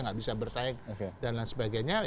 nggak bisa bersaing dan lain sebagainya